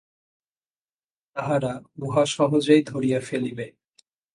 তাহারা উহা সহজেই ধরিয়া ফেলিবে।